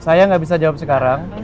saya nggak bisa jawab sekarang